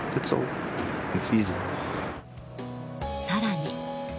更に。